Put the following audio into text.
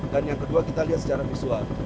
dan yang kedua kita lihat secara visual